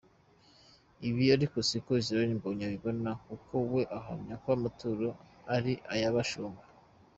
Ibi ariko siko Israel Mbonyi abibona kuko we ahamya ko amaturo ari ay'abashumba.